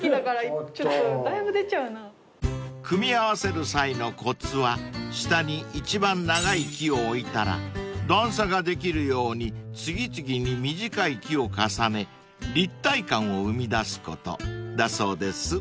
［組み合わせる際のコツは下に一番長い木を置いたら段差ができるように次々に短い木を重ね立体感を生み出すことだそうです］